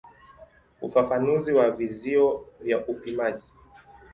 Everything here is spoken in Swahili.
Ufafanuzi wa vizio vya upimaji.